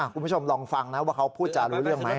คุณผู้ชมลองฟังนะว่าเขาพูดจารู้เรื่องไหม